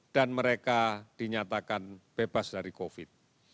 dan mereka dinyatakan bebas dari covid sembilan belas